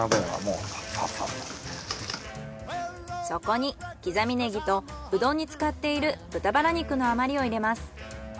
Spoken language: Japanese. そこに刻みネギとうどんに使っている豚バラ肉の余りを入れます。